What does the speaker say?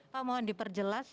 pak mohon diperjelas